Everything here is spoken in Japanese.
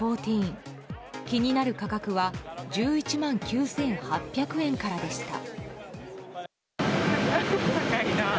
気になる価格は１１万９８００円からでした。